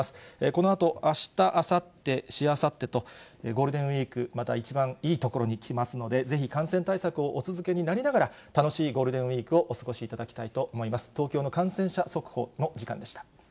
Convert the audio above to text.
このあと、あした、あさって、しあさってと、ゴールデンウィーク、また一番いいところにきますので、ぜひ感染対策をお続けになりながら、楽しいゴールデンウィークをお過ごしいただきたいと思います。